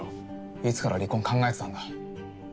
いつから離婚を考えてたんだ？